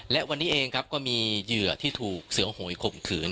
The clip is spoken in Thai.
และวันนี้เองครับก็มีเหยื่อที่ถูกเสือโหยข่มขืน